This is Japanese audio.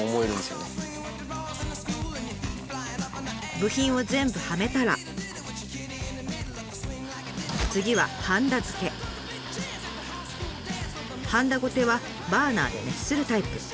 部品を全部はめたら次ははんだごてはバーナーで熱するタイプ。